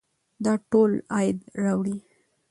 دا ټول عاید راوړي.